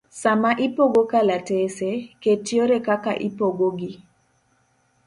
Sama ipogo kalatese, ket yore kaka ibopoggi.